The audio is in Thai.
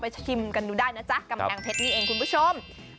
ชิมกันดูได้นะจ๊ะกำแพงเพชรนี่เองคุณผู้ชม